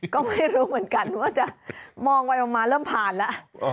ก็ไม่รู้เหมือนกันว่าจะมองไปมาเริ่มผ่านแล้ว